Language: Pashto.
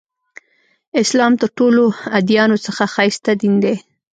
اسلام تر ټولو ادیانو څخه ښایسته دین دی.